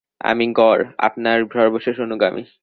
আমি গর, আপনার সর্বশেষ অনুগামী।